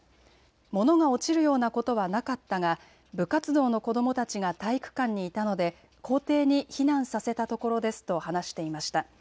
物が落ちるようなことはなかったが部活動の子どもたちが体育館にいたので校庭に避難させたところですと話していました。